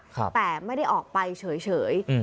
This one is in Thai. แต่ไม่ได้ออกไปเฉย